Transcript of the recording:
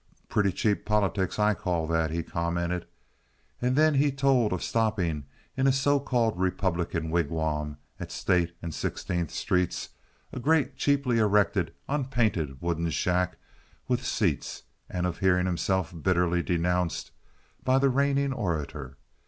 "Pretty cheap politics, I call that," he commented. And then he told of stopping in a so called Republican wigwam at State and Sixteenth streets—a great, cheaply erected, unpainted wooden shack with seats, and of hearing himself bitterly denounced by the reigning orator.